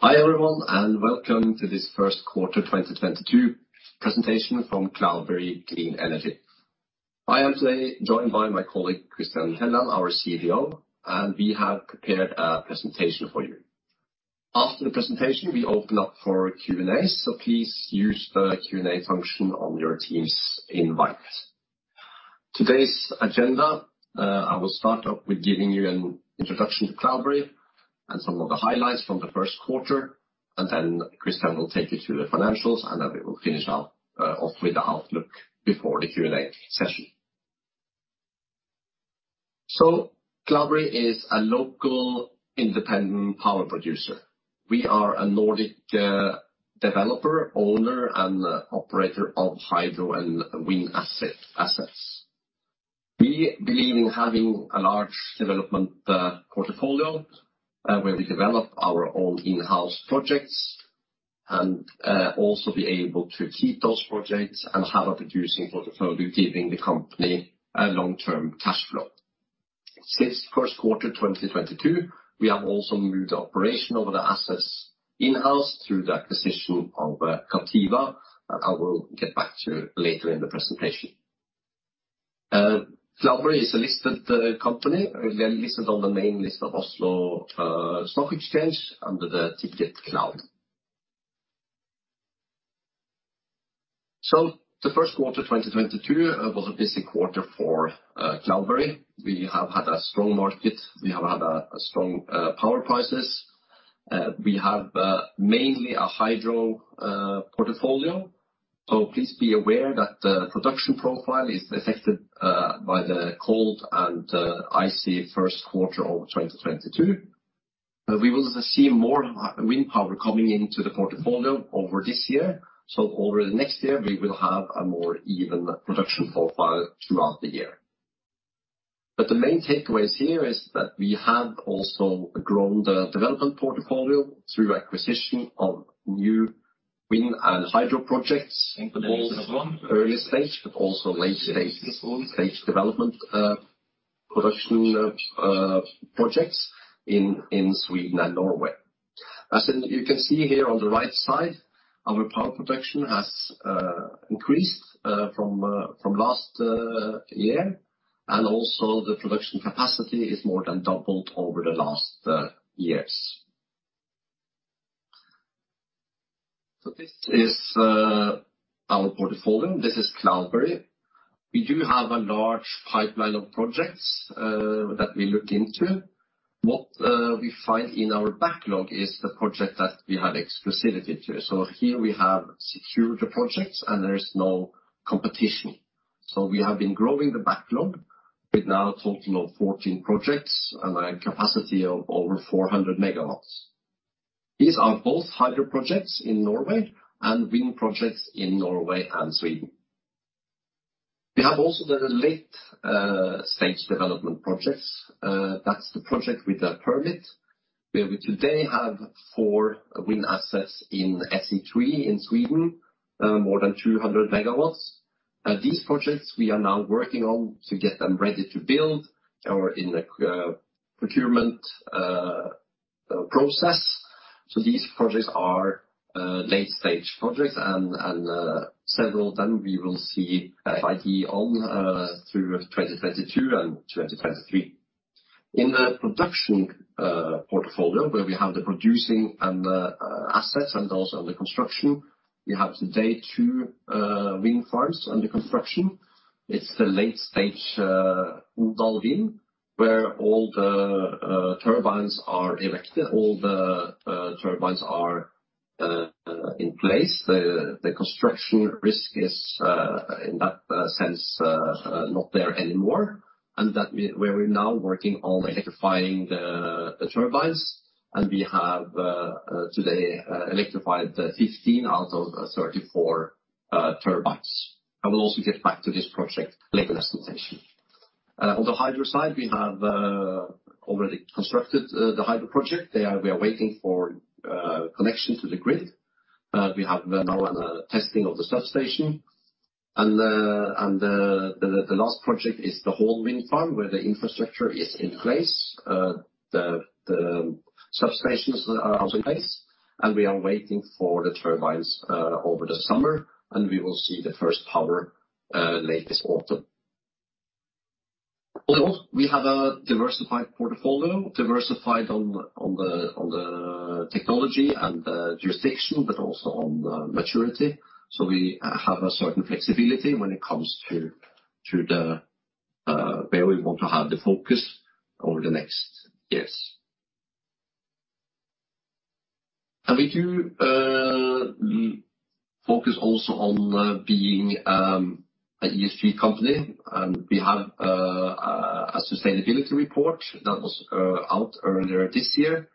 Hi everyone, and welcome to this first quarter 2022 presentation from Cloudberry Clean Energy. I am today joined by my colleague Christian Helland, our CFO, and we have prepared a presentation for you. After the presentation, we open up for Q&A, so please use the Q&A function on your team's invite. Today's agenda, I will start off with giving you an introduction to Cloudberry and some of the highlights from the first quarter, and then Christian will take you through the financials, and then we will finish off with the outlook before the Q&A session. Cloudberry is a local independent power producer. We are a Nordic developer, owner, and operator of hydro and wind assets. We believe in having a large development portfolio where we develop our own in-house projects and also be able to keep those projects and have a producing portfolio, giving the company a long-term cash flow. Since first quarter 2022, we have also moved the operation of the assets in-house through the acquisition of Captiva, and I will get back to later in the presentation. Cloudberry is a listed company. We are listed on the main list of Oslo Stock Exchange under the ticker CLOUD. The first quarter 2022 was a busy quarter for Cloudberry. We have had a strong market. We have had a strong power prices. We have mainly a hydro portfolio. Please be aware that the production profile is affected by the cold and icy first quarter of 2022. We will see more wind power coming into the portfolio over this year. Over the next year, we will have a more even production profile throughout the year. The main takeaways here is that we have also grown the development portfolio through acquisition of new wind and hydro projects involved early stage, but also late-stage development production projects in Sweden and Norway. As you can see here on the right side, our power production has increased from last year, and also the production capacity is more than doubled over the last years. This is our portfolio. This is Cloudberry. We do have a large pipeline of projects that we look into. What we find in our backlog is the project that we have exclusivity to. Here we have secured the projects and there is no competition. We have been growing the backlog with now a total of 14 projects and a capacity of over 400 MW. These are both hydro projects in Norway and wind projects in Norway and Sweden. We have also the late stage development projects. That's the project with the permit, where we today have four wind assets in SE3, in Sweden, more than 200 MW. These projects we are now working on to get them ready to build or in a procurement process. These projects are late-stage projects and several of them we will see FID on through 2022 and 2023. In the production portfolio, where we have the producing and the assets and also the construction, we have today two wind farms under construction. It's the late stage, Odal, where all the turbines are erected. All the turbines are in place. The construction risk is in that sense not there anymore. That we're now working on electrifying the turbines, and we have today electrified 15 out of 34 turbines. I will also get back to this project later in the presentation. On the hydro side, we have already constructed the hydro project. We are waiting for connection to the grid. We have now testing of the substation. The last project is the Horn wind farm where the infrastructure is in place. The substations are also in place, and we are waiting for the turbines over the summer, and we will see the first power late this autumn. Although we have a diversified portfolio, diversified on the technology and the jurisdiction, but also on the maturity. We have a certain flexibility when it comes to where we want to have the focus over the next years. We do focus also on being a ESG company. We have a sustainability report that was out earlier this year.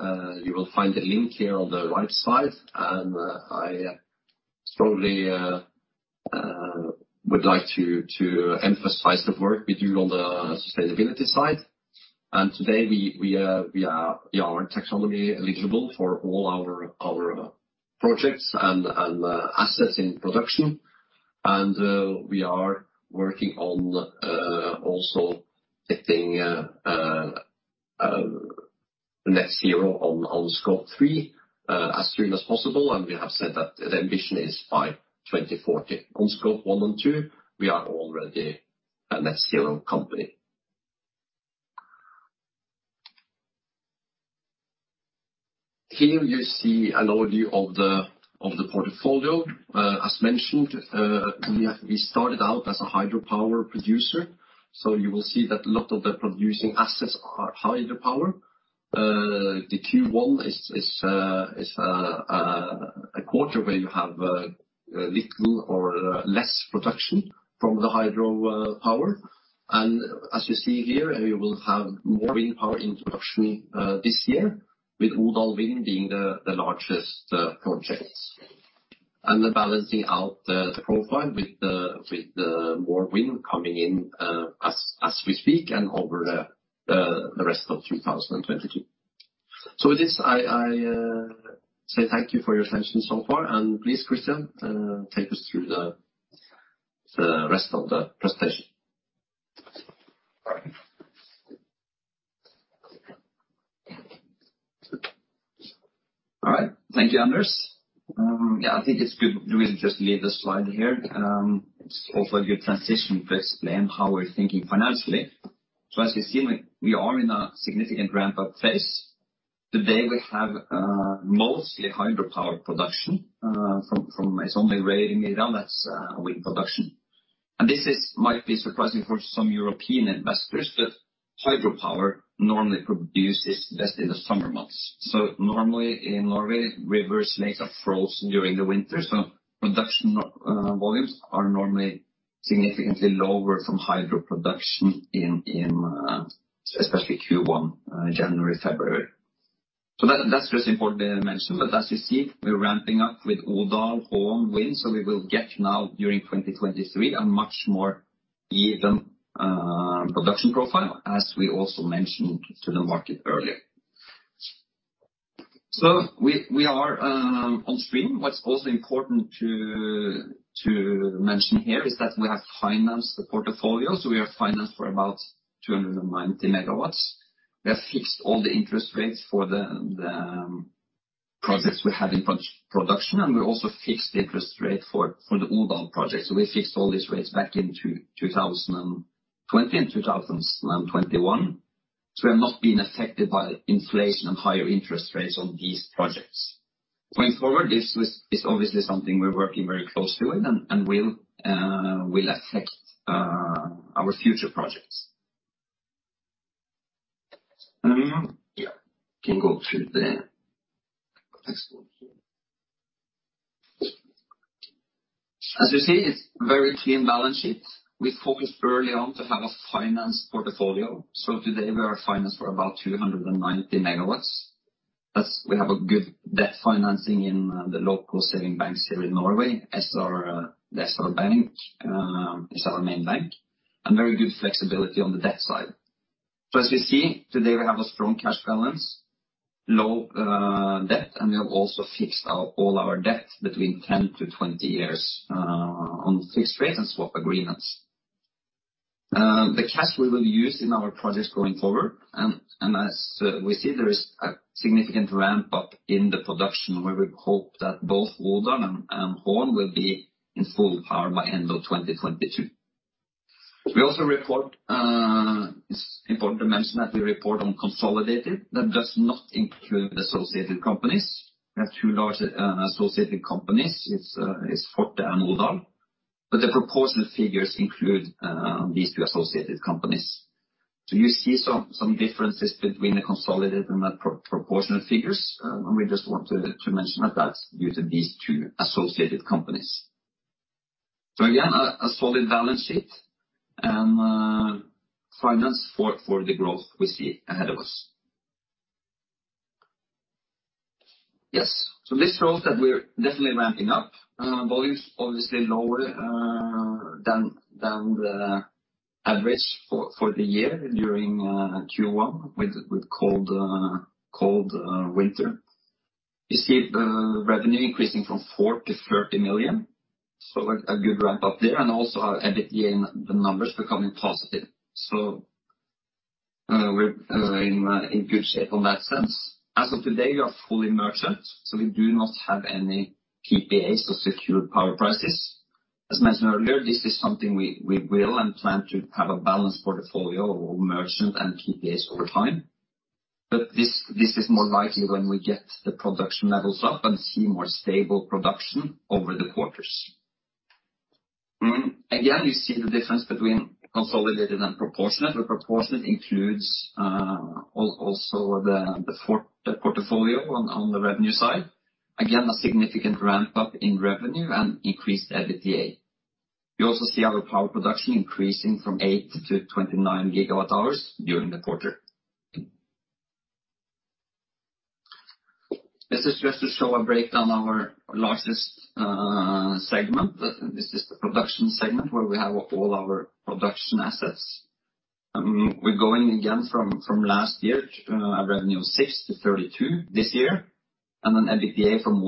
You will find a link here on the right side. I strongly would like to emphasize the work we do on the sustainability side. Today we are taxonomy eligible for all our projects and assets in production. We are working on also hitting net zero on Scope 3 as soon as possible, and we have said that the ambition is by 2040. On Scope 1 and 2, we are already a net zero company. Here you see an overview of the portfolio. As mentioned, we started out as a hydropower producer, so you will see that a lot of the producing assets are hydropower. Q1 is a quarter where you have little or less production from the hydropower. As you see here, we will have more wind power introduction this year, with Odal wind being the largest projects. The balancing out the profile with the more wind coming in, as we speak and over the rest of 2022. With this, I say thank you for your attention so far. Please, Christian, take us through the rest of the presentation. All right. Thank you, Anders. Yeah, I think it's good, just leave the slide here. It's also a good transition to explain how we're thinking financially. As you see, we are in a significant ramp-up phase. Today, we have mostly hydropower production, it's only Rævingmyra that's wind production. This might be surprising for some European investors, but hydropower normally produces best in the summer months. Normally in Norway, rivers, lakes are frozen during the winter, so production volumes are normally significantly lower from hydro production in especially Q1, January, February. That's just important to mention. As you see, we're ramping up with Odal, Horn wind, so we will get now, during 2023, a much more even production profile, as we also mentioned to the market earlier. We are on stream. What's also important to mention here is that we have financed the portfolio. We are financed for about 290 megawatts. We have fixed all the interest rates for the projects we have in pre-production, and we also fixed the interest rate for the Odal project. We fixed all these rates back in 2020 and 2021. We have not been affected by inflation and higher interest rates on these projects. Going forward, this is obviously something we're working very close to it and will affect our future projects. Yeah, can go to the next one here. As you see, it's very clean balance sheet. We focused early on to have a finance portfolio. Today we are financed for about 290 MW. We have a good debt financing in the local savings banks here in Norway. SpareBank 1 SR-Bank is our main bank. Very good flexibility on the debt side. As you see, today we have a strong cash balance, low debt, and we have also fixed all our debt between 10-20 years on fixed rates and swap agreements. The cash we will use in our projects going forward, and as we see, there is a significant ramp up in the production, where we hope that both Odal and Horn will be in full power by end of 2022. We also report. It is important to mention that we report on consolidated. That does not include associated companies. We have two large associated companies. It's Forte and Odal. The proportionate figures include these two associated companies. You see some differences between the consolidated and the proportionate figures, and we just want to mention that that's due to these two associated companies. Again, a solid balance sheet and financing for the growth we see ahead of us. Yes. This shows that we're definitely ramping up. Volumes obviously lower than the average for the year during Q1 with cold winter. You see the revenue increasing from 4 million-30 million, so a good ramp up there. Also our EBITDA, the numbers becoming positive. We're in good shape in that sense. As of today, we are fully merchant, so we do not have any PPAs or secured power prices. As mentioned earlier, this is something we will and plan to have a balanced portfolio of merchant and PPAs over time. This is more likely when we get the production levels up and see more stable production over the quarters. Again, you see the difference between consolidated and proportionate. The proportionate includes also the Forte portfolio on the revenue side. Again, a significant ramp up in revenue and increased EBITDA. You also see our power production increasing from 8-29 GWh during the quarter. This is just to show a breakdown our largest segment. This is the production segment, where we have all our production assets. We're going again from last year, revenue of 6-32 this year, and then EBITDA from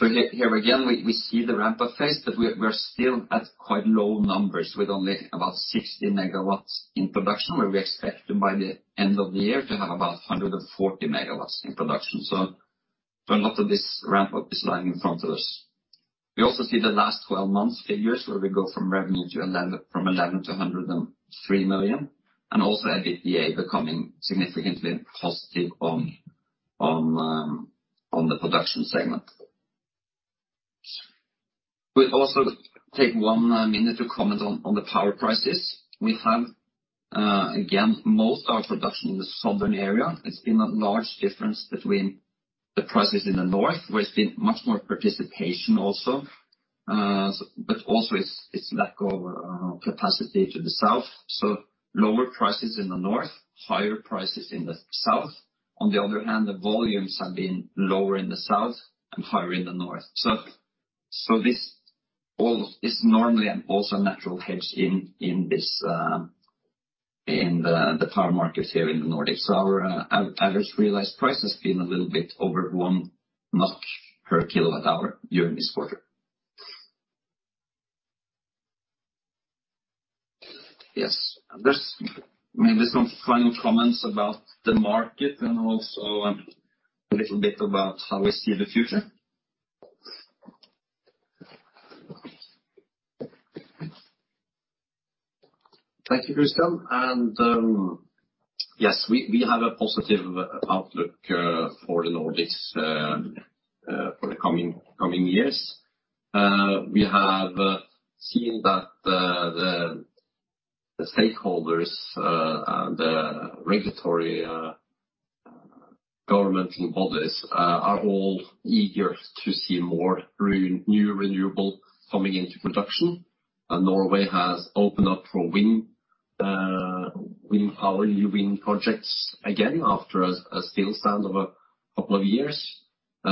1-20. Here again, we see the ramp-up phase, but we're still at quite low numbers with only about 60 MW in production, where we expect by the end of the year to have about 140 MW in production. A lot of this ramp-up is lying in front of us. We also see the last 12 months figures where we go from 11 million-103 million, and also EBITDA becoming significantly positive on the production segment. We'll also take one minute to comment on the power prices. We have, again, most of our production in the southern area. It's been a large difference between the prices in the north, where it's been much more precipitation also, but also its lack of capacity to the south. Lower prices in the north, higher prices in the south. On the other hand, the volumes have been lower in the south and higher in the north. This is normally also a natural hedge in the power markets here in the Nordics. Our average realized price has been a little bit over 1 NOK per kWh during this quarter. Yes. There's maybe some final comments about the market and also a little bit about how we see the future. Thank you, Christian. Yes, we have a positive outlook for the Nordics for the coming years. We have seen that the stakeholders and the regulatory government and bodies are all eager to see more renewable coming into production. Norway has opened up for wind power, new wind projects again after a standstill of a couple of years.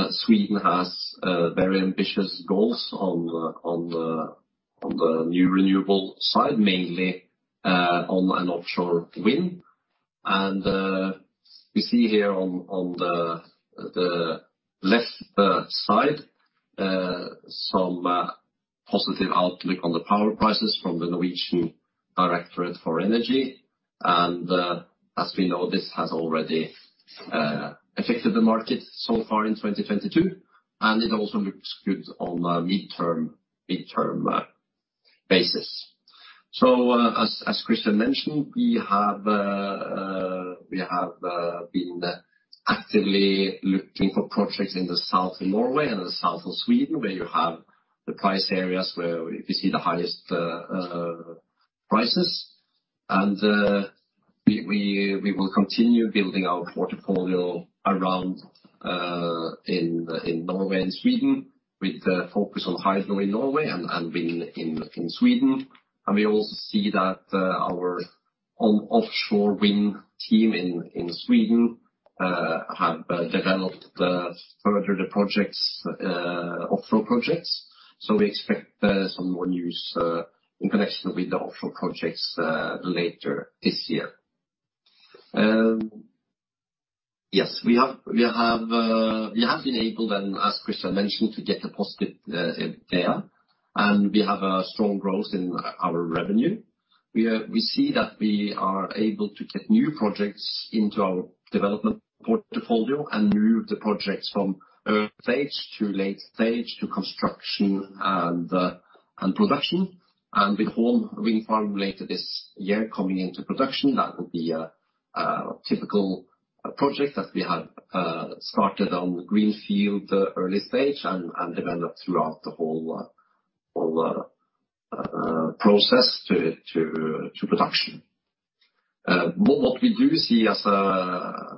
Sweden has very ambitious goals on the new renewable side, mainly on an offshore wind. We see here on the left side some positive outlook on the power prices from the Norwegian Water Resources and Energy Directorate. As we know, this has already affected the market so far in 2022, and it also looks good on a midterm basis. As Christian mentioned, we have been actively looking for projects in the south of Norway and the south of Sweden, where you have the price areas where we see the highest prices. We will continue building our portfolio around in Norway and Sweden, with the focus on hydro in Norway and wind in Sweden. We also see that our offshore wind team in Sweden have developed further the offshore projects. We expect some more news in connection with the offshore projects later this year. Yes. We have been able, and as Christian mentioned, to get a positive EBITDA, and we have a strong growth in our revenue. We see that we are able to get new projects into our development portfolio and move the projects from early stage to late stage to construction and production. With Horn wind farm later this year coming into production, that will be a typical project that we have started on greenfield early stage and developed throughout the whole process to production. What we do see as a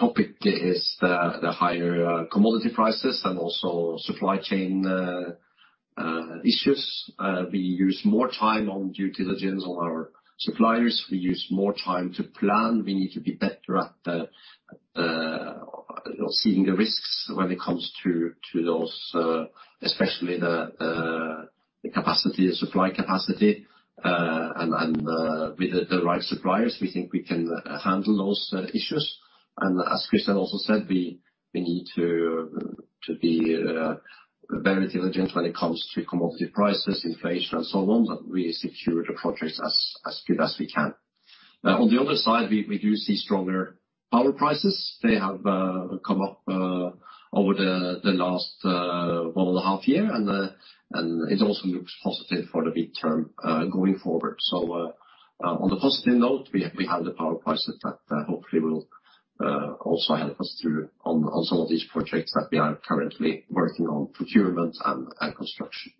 topic is the higher commodity prices and also supply chain issues. We use more time on due diligence on our suppliers. We use more time to plan. We need to be better at, you know, seeing the risks when it comes to those, especially the capacity, the supply capacity. With the right suppliers, we think we can handle those issues. As Christian also said, we need to be very diligent when it comes to commodity prices, inflation, and so on, but we secure the projects as good as we can. On the other side, we do see stronger power prices. They have come up over the last 1.5 years, and it also looks positive for the midterm going forward. On the positive note, we have the power prices that hopefully will also help us through on some of these projects that we are currently working on procurement and construction.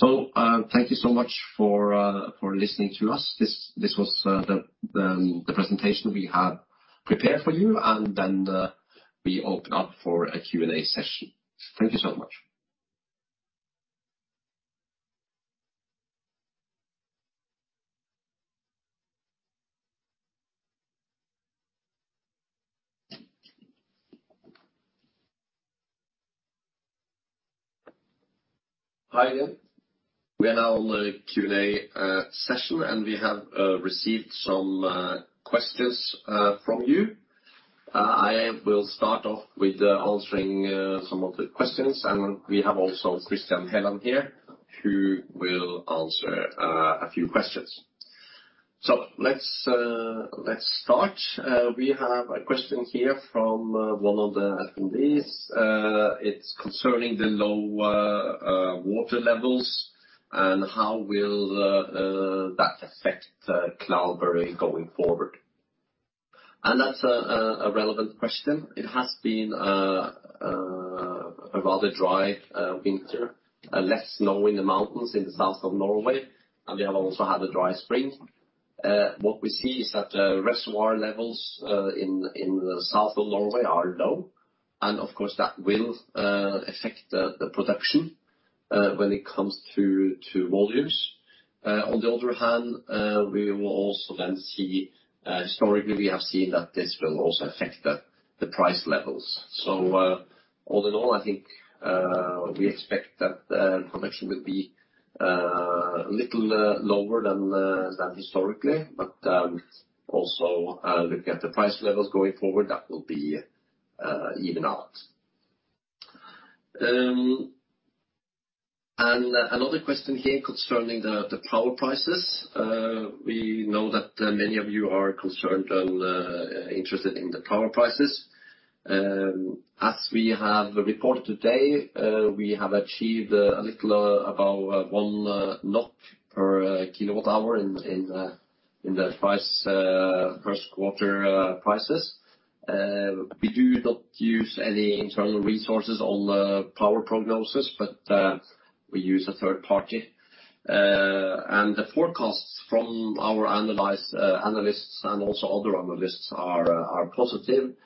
Thank you so much for listening to us. This was the presentation we have prepared for you, and then we open up for a Q&A session. Thank you so much. Hi again. We are now on the Q&A session, and we have received some questions from you. I will start off with answering some of the questions, and we have also Christian A. Helland here, who will answer a few questions. Let's start. We have a question here from one of the attendees. It's concerning the low water levels and how will that affect Cloudberry going forward. That's a relevant question. It has been a rather dry winter and less snow in the mountains in the south of Norway, and we have also had a dry spring. What we see is that reservoir levels in the south of Norway are low, and of course, that will affect the production when it comes to volumes. On the other hand, we will also then see. Historically, we have seen that this will also affect the price levels. All in all, I think we expect that production will be a little lower than historically, but also looking at the price levels going forward, that will even out. Another question here concerning the power prices. We know that many of you are concerned and interested in the power prices. As we have reported today, we have achieved a little above 1 NOK per kWh in the first quarter prices. We do not use any internal resources on the power prognosis, but we use a third party. The forecasts from our analysts and also other analysts are positive.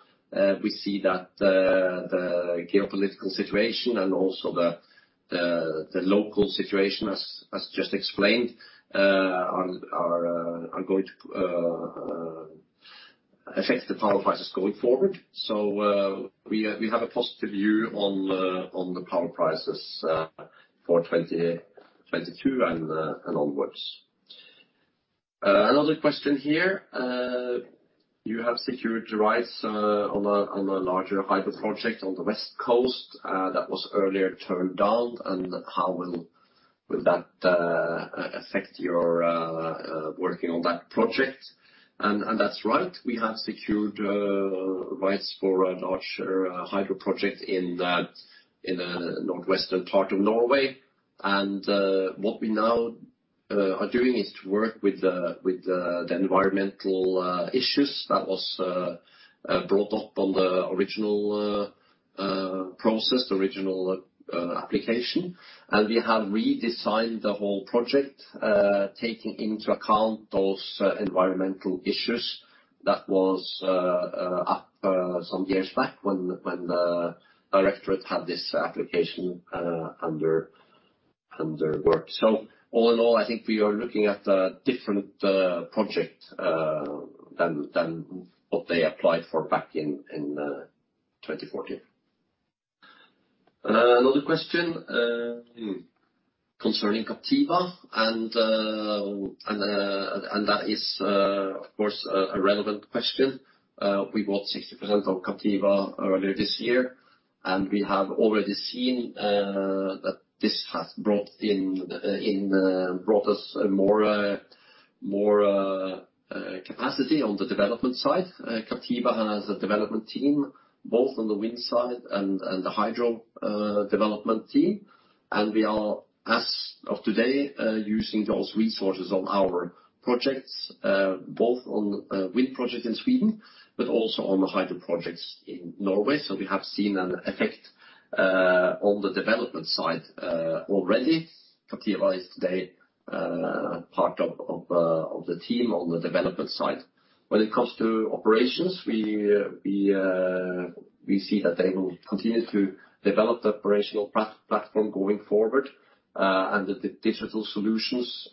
We see that the geopolitical situation and also the local situation as just explained are going to affect the power prices going forward. We have a positive view on the power prices for 2022 and onwards. Another question here. You have secured the rights on a larger hydro project on the west coast that was earlier turned down. How will that affect your working on that project? That's right, we have secured rights for a larger hydro project in that northwestern part of Norway. What we now are doing is to work with the environmental issues that was brought up on the original process, the original application. We have redesigned the whole project taking into account those environmental issues that was up some years back when Directorate had this application under work. All in all, I think we are looking at a different project than what they applied for back in 2014. Another question concerning Captiva. That is, of course, a relevant question. We bought 60% of Captiva earlier this year, and we have already seen that this has brought us a more capacity on the development side. Captiva has a development team both on the wind side and the hydro development team. We are, as of today, using those resources on our projects, both on wind project in Sweden, but also on the hydro projects in Norway. We have seen an effect on the development side already. Captiva is today part of the team on the development side. When it comes to operations, we see that they will continue to develop the operational platform going forward, and the digital solutions,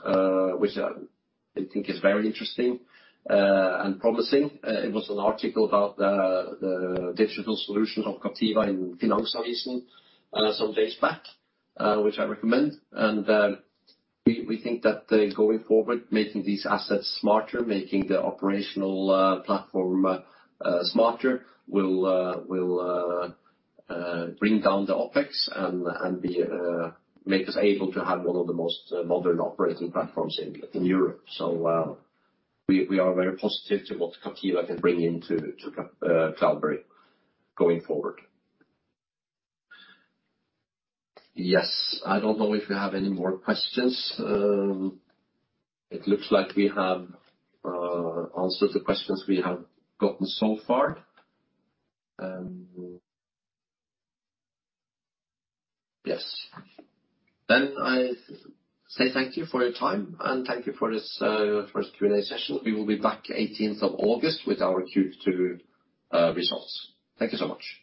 which I think is very interesting and promising. It was an article about the digital solution of Captiva in Finansavisen some days back, which I recommend. We think that going forward, making these assets smarter, making the operational platform smarter will bring down the OpEx and make us able to have one of the most modern operating platforms in Europe. We are very positive to what Captiva can bring into Cloudberry going forward. Yes. I don't know if you have any more questions. It looks like we have answered the questions we have gotten so far. Yes. I say thank you for your time, and thank you for this Q&A session. We will be back eighteenth of August with our Q2 results. Thank you so much.